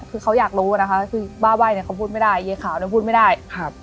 คือเขาอยากรู้นะคะคือบ้าไหว้เนี่ยเขาพูดไม่ได้เย้ขาวเนี่ยพูดไม่ได้ครับ